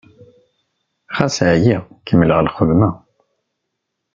Ɣas ɛyiɣ, kemmleɣ lxedma.